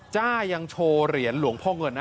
จ้ายังโชว์เหรียญหลวงพ่อเงินนะ